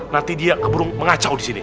nanti dia keburung mengacau disini